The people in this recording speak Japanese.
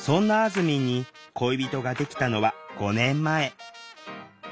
ずみんに恋人ができたのは５年前。